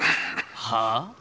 はあ？